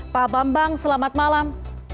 pak bambang selamat malam